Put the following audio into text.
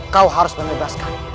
kau harus melebaskan